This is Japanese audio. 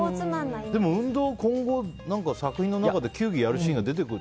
でも運動、今後作品の中で球技やるシーンが出てくる。